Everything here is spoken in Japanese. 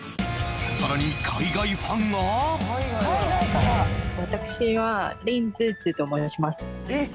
さらに海外ファンがえっ！